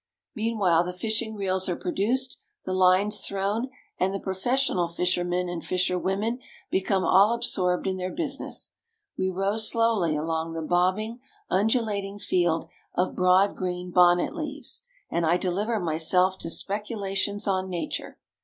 Meanwhile the fishing reels are produced, the lines thrown; and the professional fishermen and fisherwomen become all absorbed in their business. We row slowly along the bobbing, undulating field of broad green bonnet leaves, and I deliver myself to speculations on Nature.